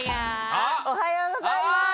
おはようございます。